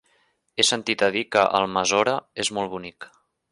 He sentit a dir que Almassora és molt bonic.